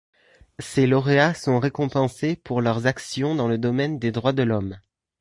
Ces lauréats sont récompensés pour leurs actions dans le domaine des droits de l’homme.